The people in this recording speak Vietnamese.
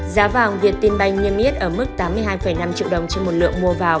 giá vàng việt tinh banh niêm yết ở mức tám mươi hai năm triệu đồng trên một lượng mua vào